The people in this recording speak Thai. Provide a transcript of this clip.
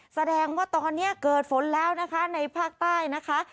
แสดงว่าตอนนี้เกิดฝนแล้วนะคะในภาคใต้นะคะ